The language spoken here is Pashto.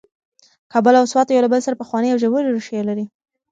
کابل او سوات یو له بل سره پخوانۍ او ژورې ریښې لري.